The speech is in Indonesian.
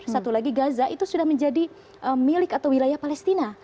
satu lagi gaza itu sudah menjadi milik atau wilayah palestina